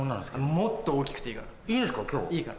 もっと大きくていいから。